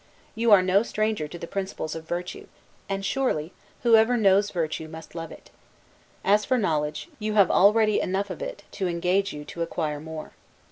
You are no stranger to the principles of virtue; and, surely, whoever knows virtue must love it. As for knowledge, you have already enough of it, to engage you to acquire more.